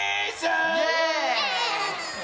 イエーイ！